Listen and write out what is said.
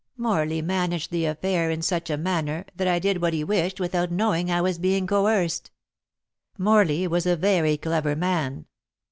Morley managed the affair in such a manner that I did what he wished without knowing I was being coerced." "Morley was a very clever man."